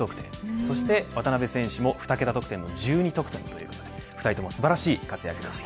そして渡邊選手も２桁得点の１２得点ということで２人とも素晴らしい活躍でした。